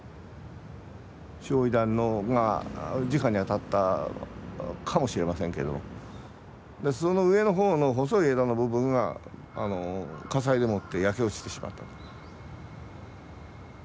焼夷弾がじかに当たったかもしれませんけどその上のほうの細い枝の部分が火災でもって焼け落ちてしまったと。